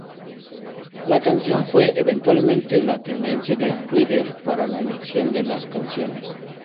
La canción fue eventualmente la tendencia en Twitter para la elección de las canciones.